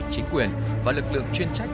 chính quyền và lực lượng chuyên trách